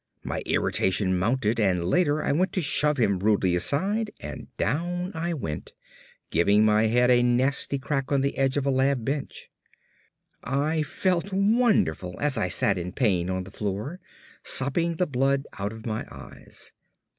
My irritation mounted and later I went to shove him rudely aside and down I went, giving my head a nasty crack on the edge of a lab bench. I felt wonderful as I sat in pain on the floor, sopping the blood out of my eyes.